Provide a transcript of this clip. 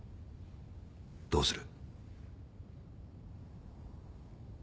どうする？